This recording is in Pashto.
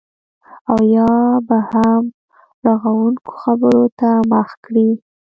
او یا به هم رغونکو خبرو ته مخه کړي